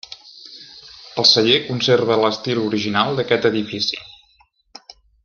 El celler conserva l'estil original d'aquest edifici.